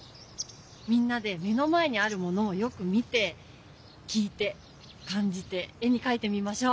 みんなで目の前にあるものをよく見て聞いて感じて絵にかいてみましょう。